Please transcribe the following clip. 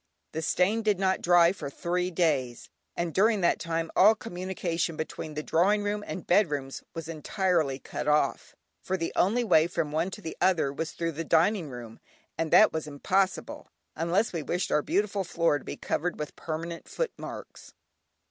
The stain did not dry for three days, and during that time all communication between the drawing room and bedrooms was entirely cut off, for the only way from one to the other was through the dining room, and that was impossible, unless we wished our beautiful floor to be covered with permanent foot marks.